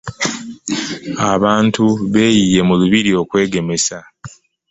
Abantu beeyiye mu lubiri okwegemesa.